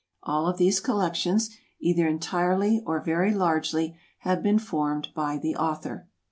All of these collections, either entirely or very largely, have been formed by the author.